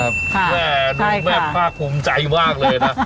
แม่น้องแม่งมากคุ้มใจมากเลยนะ